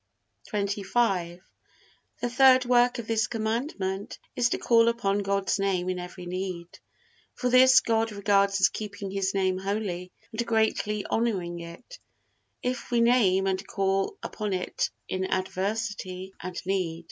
XXV. The third work of this Commandment is to call upon God's Name in every need. For this God regards as keeping His Name holy and greatly honoring it, if we name and call upon it in adversity and need.